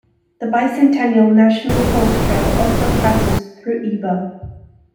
The Bi-Centennial National Horse Trail also passes through Ebor.